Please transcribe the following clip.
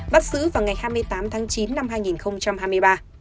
bắt xứ vào ngày hai mươi tám tháng chín năm